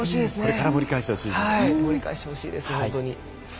盛り返してほしいですね、本当に。